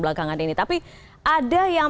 belakangan ini tapi ada yang